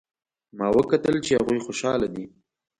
ما وکتل چې هغوی خوشحاله دي